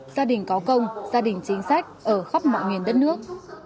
gia đình có công gia đình chính sách ở khắp mọi miền đất nước